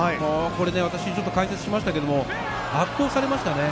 私、解説しましたが、圧倒されましたね。